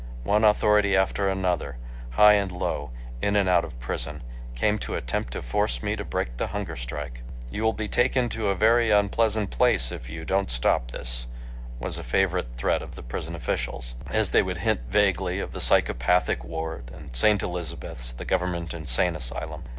One authority after another, high and low, in and out of prison, came to attempt to force me to break the hunger strike. "You will be taken to a very unpleasant place if you don't stop this," was a favorite threat of the prison officials, as they would hint vaguely of the psychopathic ward, and St. Elizabeth's, the Government insane asylum.